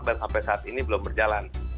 dan sampai saat ini belum berjalan